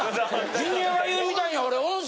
ジュニアが言うみたいに俺。